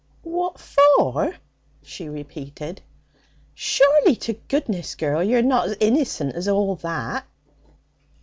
'What for?' she repeated. 'Surely to goodness, girl, you're not as innicent like as that?'